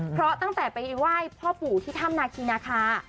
เพราะตั้งแต่ไปไหว้พ่อปู่ที่ถ้ำนาคีนาคา